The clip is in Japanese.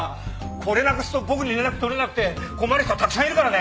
これなくすと僕に連絡取れなくて困る人はたくさんいるからね。